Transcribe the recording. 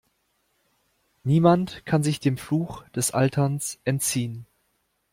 Niemand kann sich dem Fluch des Alterns entziehen.